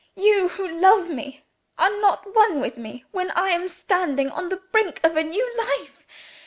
"You, who love me, are not one with me, when I am standing on the brink of a new life.